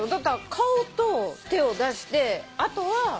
顔と手を出してあとは。